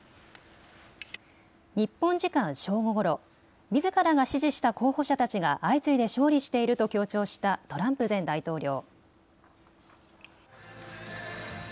日本時間正午ごろ、みずからが支持した候補者たちが相次いで勝利していると強調したトランプ前大統領。